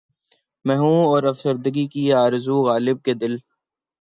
میں ہوں اور افسردگی کی آرزو غالبؔ کہ دل